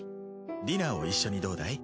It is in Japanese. ディナーを一緒にどうだい？